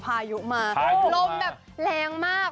พายุมาลมแบบแรงมาก